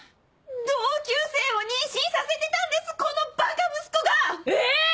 同級生を妊娠させてたんですこのばか息子が！え‼